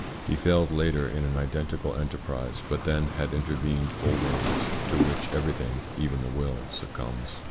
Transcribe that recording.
He failed later in an identical enterprise, but then had intervened old age, to which everything, even the will, succumbs.